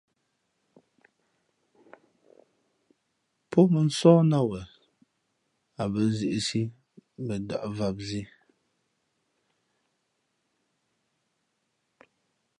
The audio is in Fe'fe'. Pó mᾱnsóh nāt wen a bᾱ nzīʼsī mbα ndα̌ʼ vam zǐ.